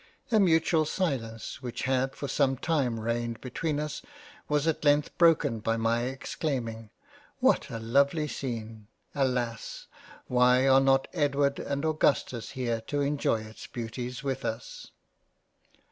A mutual silence which had for some time reigned between us, was at length broke by my exclaiming —" What a lovely scene | Alas why are not Edward and Augustus here to enjoy its Beauties with us